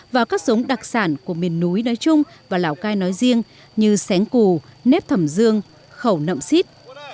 vào các giống đặc sản của miền núi nói chung và lào cai nói riêng như sén cù nếp thẩm dương khẩu nậm xít